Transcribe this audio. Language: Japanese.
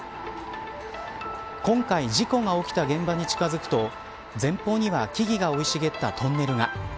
今回、事故が起きた現場に近づくと前方には木々が生い茂ったトンネルが。